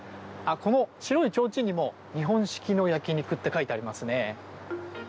この白いちょうちんにも日本式の焼き肉って書いてありますね。